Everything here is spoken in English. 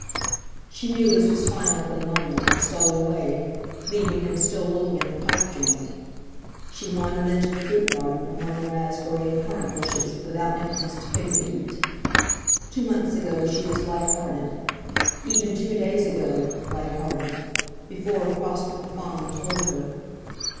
She knew this was final for the moment, and stole away, leaving him still looking at the pipe joint. She wandered into the fruit garden, among the raspberry and currant bushes, without impetus to pick and eat. Two months ago—she was light hearted! Even two days ago—light hearted, before Prosper Profond told her.